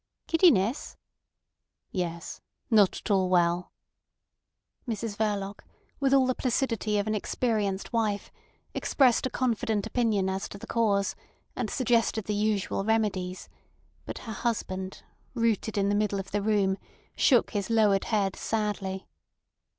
"Giddiness?" "Yes. Not at all well." Mrs Verloc, with all the placidity of an experienced wife, expressed a confident opinion as to the cause, and suggested the usual remedies; but her husband, rooted in the middle of the room, shook his lowered head sadly.